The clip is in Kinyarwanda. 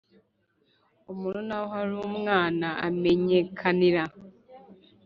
Umuntu naho ari umwana amenyekanira